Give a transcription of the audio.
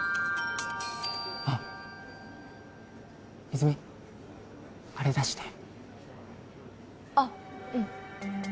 泉あれ出してあっうん